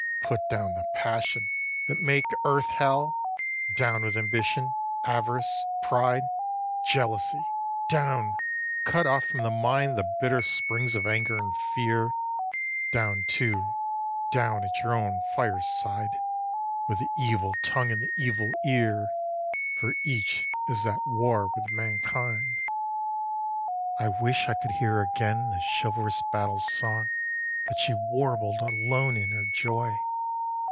Put down the passions that make earth Hell! Down with ambition, avarice, pride, Jealousy, down! cut off from the mind The bitter springs of anger and fear; Down too, down at your own fireside, With the evil tongue and the evil ear, For each is at war with mankind. 4. I wish I could hear again The chivalrous battle song That she warbled alone in her joy!